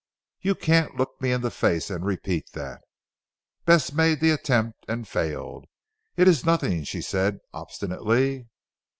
"You can't look me in the face and repeat that." Bess made the attempt, and failed. "It is nothing!" she said obstinately.